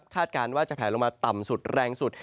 การว่าจะแผลลงมาต่ำสุดแรงสุด